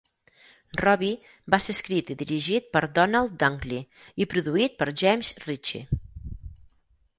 "Robbie" va ser escrit i dirigit per Ronald Dunkley i produït per James Ritchie.